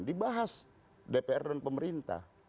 dibahas dpr dan pemerintah